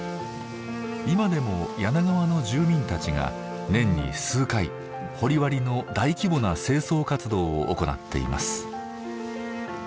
今でも柳川の住民たちが年に数回掘割の大規模な清掃活動を行っています。